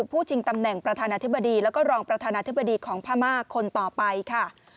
ชิงตำแหน่งประธานาธิบดีแล้วก็รองประธานาธิบดีของพม่าคนต่อไปค่ะ